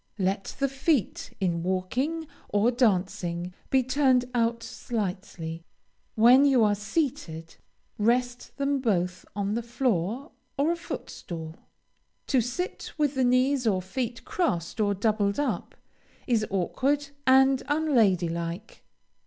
Let the feet, in walking or dancing, be turned out slightly; when you are seated, rest them both on the floor or a footstool. To sit with the knees or feet crossed or doubled up, is awkward and unlady like.